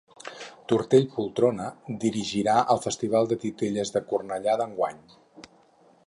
Tortell Poltrona dirigirà el Festival de Titelles de Cornellà d'enguany.